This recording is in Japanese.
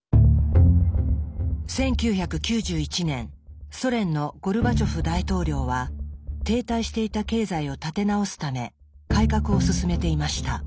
１９９１年ソ連のゴルバチョフ大統領は停滞していた経済を立て直すため改革を進めていました。